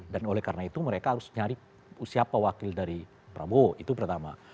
dan oleh karena itu mereka harus nyari siapa wakil dari prabowo itu pertama